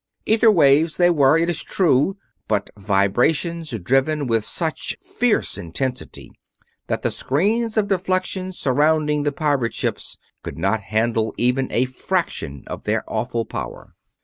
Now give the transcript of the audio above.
Ether waves they were, it is true, but vibrations driven with such fierce intensity that the screens of deflection surrounding the pirate vessels could not handle even a fraction of their awful power.